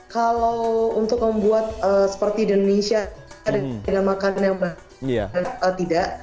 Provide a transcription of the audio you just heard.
kalau untuk membuat seperti di indonesia dengan makanan yang banyak tidak